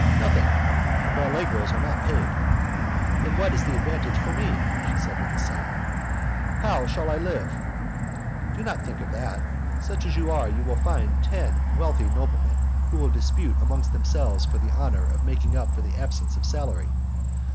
"Nothing. The ballet girls are not paid." "Then where is the advantage for me?" she said, with a sigh; "how shall I live?" "Do not think of that. Such as you are, you will soon find ten wealthy noblemen who will dispute amongst themselves for the honour of making up for the absence of salary.